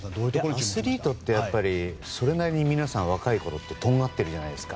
アスリートってそれなりに皆さん、若いころはとんがってるじゃないですか。